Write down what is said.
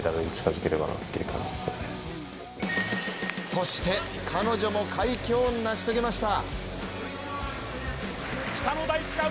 そして、彼女も快挙を成し遂げました。